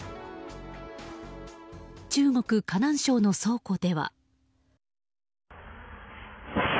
中国・河南省の倉庫では。